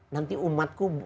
nanti umatku menjadi berat